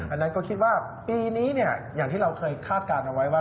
อันนั้นก็คิดว่าปีนี้อย่างที่เราเคยคาดการณ์เอาไว้ว่า